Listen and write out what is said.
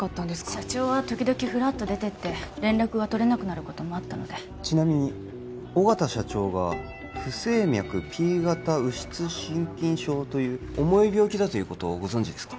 社長は時々フラッと出てって連絡が取れなくなることもあったのでちなみに緒方社長が不整脈Ｐ型右室心筋症という重い病気だということをご存じですか？